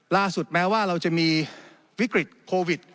ล่าสุดแม้ว่าเราจะมีวิกฤทธิ์โควิด